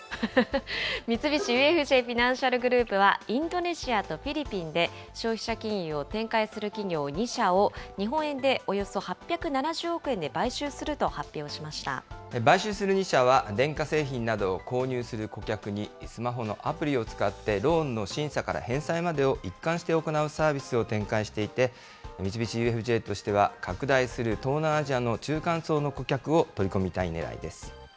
三菱ＵＦＪフィナンシャル・グループはインドネシアとフィリピンで消費者金融を展開する企業２社を日本円でおよそ８７０億円で買買収する２社は電化製品などを購入する顧客に、スマホのアプリを使ってローンの審査から返済までを一貫して行うサービスを展開していて、三菱ＵＦＪとしては拡大する東南アジアの中間層の顧客を取り込みたいねらいです。